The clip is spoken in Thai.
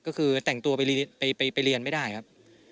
ก็คือแต่งตัวไปเรียนไม่ได้ครับ